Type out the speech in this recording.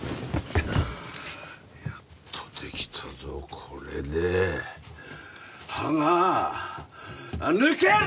やっとできたぞこれで歯が抜ける！